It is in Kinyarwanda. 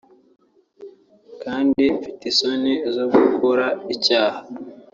ikindi mfite isoni zo gukora icyaha